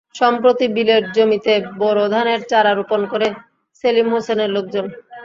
সম্প্রতি বিলের জমিতে বোরো ধানের চারা রোপণ করে সেলিম হোসেনের লোকজন।